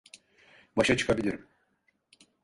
Başa çıkabilirim.